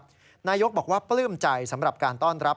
นายกบอกว่าปลื้มใจสำหรับการต้อนรับ